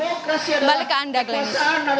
kembali ke anda glence